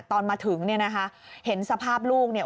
ตอนมาถึงเนี่ยนะคะเห็นสภาพลูกเนี่ย